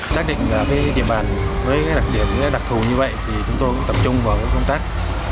xác định địa bàn với đặc điểm đặc thù như vậy thì chúng tôi cũng tập trung vào công tác